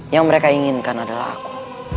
yang mereka inginkan adalah aku